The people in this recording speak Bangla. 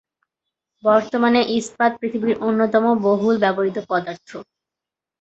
বর্তমানে ইস্পাত পৃথিবীর অন্যতম বহুল ব্যবহৃত পদার্থ।